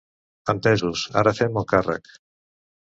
Entesos, ara fem el càrrec.